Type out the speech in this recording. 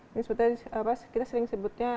ini sebetulnya kita sering sebutnya